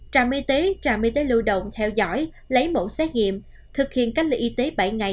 trạm y tế trạm y tế lưu động theo dõi lấy mẫu xét nghiệm thực hiện cách ly y tế bảy ngày